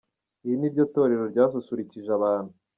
Iri ni ryo torero ryasusurukije abantu.